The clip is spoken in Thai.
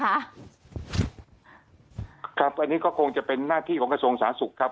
อันนี้ก็คงจะเป็นหน้าที่ของกระทรวงสาธารณสุขครับ